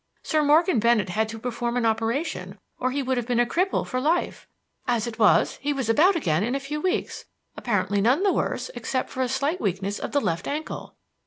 Sir Morgan Bennett had to perform an operation, or he would have been a cripple for life. As it was, he was about again in a few weeks, apparently none the worse excepting for a slight weakness of the left ankle."